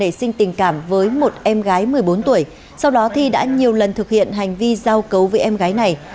lý hoài thi đã nể sinh tình cảm với một em gái một mươi bốn tuổi sau đó thì đã nhiều lần thực hiện hành vi giao cấu với em gái này